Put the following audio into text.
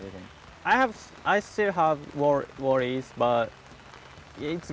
คุณต้องเป็นผู้งาน